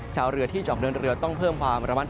ชาวเรือที่จะออกเดินเรือต้องเพิ่มความระมัดระวัง